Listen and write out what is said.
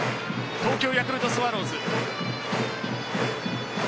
東京ヤクルトスワローズ。